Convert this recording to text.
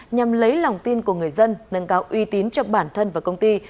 nhằm lấy lòng tin của người dân nâng cao uy tín cho bản thân và công ty